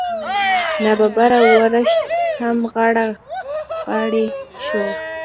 نا ببره ورښت هم غاړه غړۍ شو.